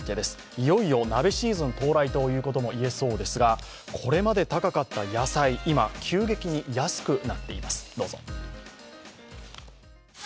いよいよ鍋シーズン到来ということもいえそうですが、これまで高かった野菜、今、急激に安くなっています。